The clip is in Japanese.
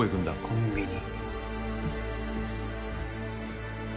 コンビニ。